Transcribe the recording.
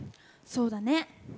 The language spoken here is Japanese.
そうだね。